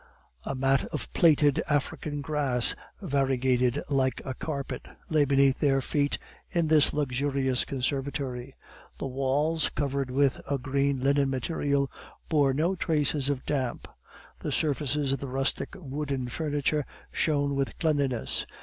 A mat of plaited African grass, variegated like a carpet, lay beneath their feet in this luxurious conservatory. The walls, covered with a green linen material, bore no traces of damp. The surfaces of the rustic wooden furniture shone with cleanliness.